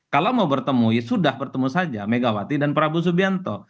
kalau mau bertemu sudah bertemu saja megawati dan prabowo subianto